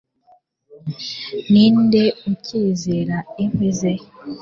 Ninde ukizera inkwi ze